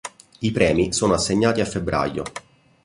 I premi sono assegnati a febbraio.